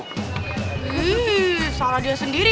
hmm salah dia sendiri